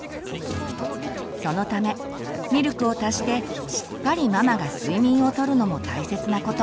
そのためミルクを足してしっかりママが睡眠をとるのも大切なこと。